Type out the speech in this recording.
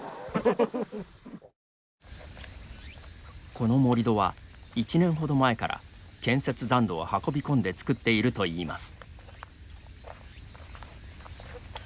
この盛り土は、１年ほど前から建設残土を運び込んでつくっているといいます。